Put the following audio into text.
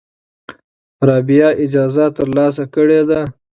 رابعه اجازه ترلاسه کړې ده.